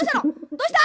どうした？